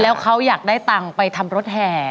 แล้วเขาอยากได้ตังค์ไปทำรถแห่